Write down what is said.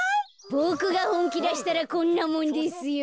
ボクがほんきだしたらこんなもんですよ。